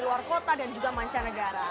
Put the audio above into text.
luar kota dan juga mancanegara